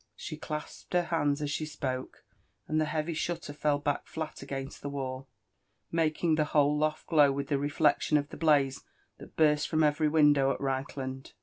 '' She clasped her hands as she spoke, and the heavy shutter fell back flat against the wall, making the whole loft glow with the reflection of the blaze that burst from every window at Reichland.